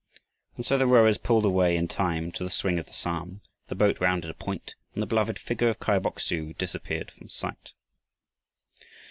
And so the rowers pulled away in time to the swing of the Psalm, the boat rounded a point, and the beloved figure of Kai Bok su disappeared from sight.